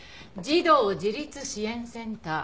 児童自立支援センター。